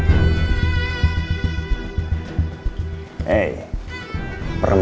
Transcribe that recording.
tuang game statusnya as doubt